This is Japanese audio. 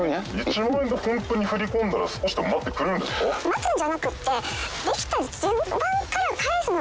待つんじゃなくって。